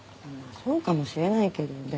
そうかもしれないけどでも。